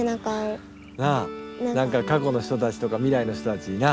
なんか過去の人たちとか未来の人たちにな。